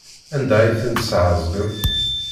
Anda ay ten-tesɛeẓgem?